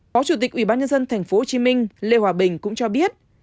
phó chủ tịch ubnd tp hcm lê hòa bình cũng cho biết